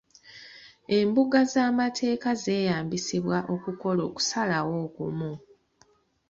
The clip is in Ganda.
Embuga z'amateeka zeeyambisibwa okukola okusalawo okumu.